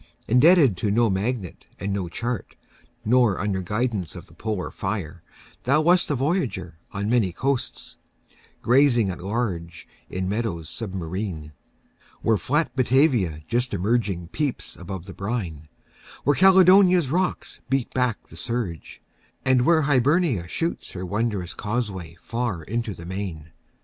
Indebted to no magnet and no chart, Nor under guidance of the polar fire, Thou wast a voyager on many coasts, Grazing at large in meadows submarine, Where flat Batavia just emerging peeps Above the brine, where Caledonia's rocks Beat back the surge, and where Hibernia shoots Her wondrous causeway far into the main.